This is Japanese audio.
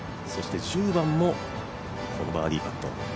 １０番もこのバーディーパット。